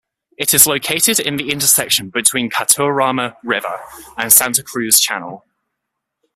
It is located in the intersection between Catuama River and Santa Cruz channel.